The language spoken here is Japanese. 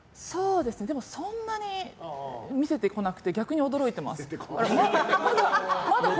でも、そんなに見せてこなくて逆に驚いています。